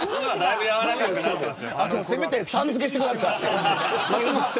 せめてさん付けしてください。